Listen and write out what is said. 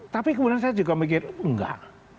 tapi kemudian saya juga mikir enggak